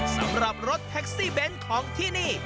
สำหรับรถแท็กซี่เบนท์ของที่นี่